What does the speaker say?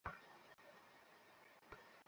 শান্ত হও, শান্ত।